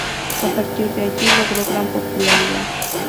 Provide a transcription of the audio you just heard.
A partir de allí logró gran popularidad.